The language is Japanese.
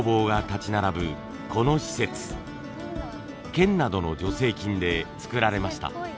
県などの助成金でつくられました。